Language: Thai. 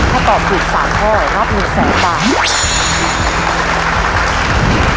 ถ้าตอบถูก๓ข้อรับ๑แสนบาท